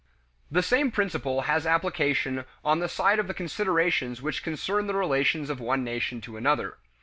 The same principle has application on the side of the considerations which concern the relations of one nation to another.